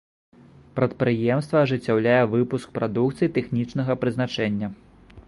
Прадпрыемства ажыццяўляе выпуск прадукцыі тэхнічнага прызначэння.